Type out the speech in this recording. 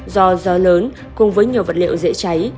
do gió lớn cùng với nhiều vật liệu dễ cháy